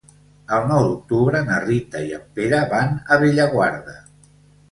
El nou d'octubre na Rita i en Pere van a Bellaguarda.